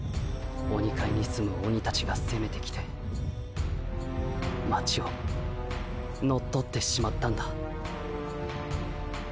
鬼界に住む鬼たちがせめてきて町を乗っ取ってしまったんだ。